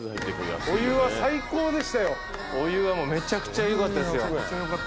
お湯はめちゃくちゃよかったですよ。